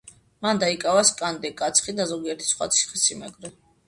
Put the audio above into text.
მან დაიკავა სკანდე, კაცხი და ზოგიერთი სხვა ციხესიმაგრე.